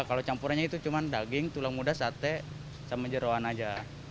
kalau campurannya itu cuma daging tulang muda sate sama jerawan aja